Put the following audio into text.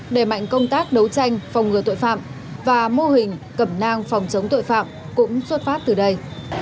đẩy mạnh công tác đấu tranh phòng ngừa tội phạm và mô hình cẩm nang phòng chống tội phạm cũng xuất phát từ đây